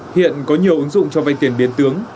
hiện có nhiều ứng dụng cho vay tiền biến tướng